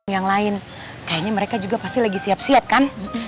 yang lain kayaknya mereka juga pasti lagi siap siap kan